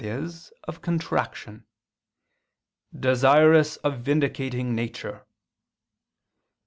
e. of contraction "desirous of vindicating nature."